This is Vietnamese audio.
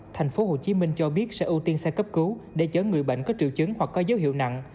thành phố hồ chí minh cho biết sẽ ưu tiên xe cấp cứu để chở người bệnh có triệu chứng hoặc có dấu hiệu nặng